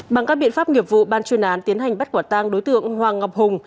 bằng các biện pháp nghiệp vụ ban chuyên án tiến hành bắt quả tang đối tượng hoàng ngọc hùng